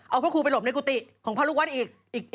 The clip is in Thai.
เอาพระครูไปหลบในกุฏิของพระลูกวัดอีก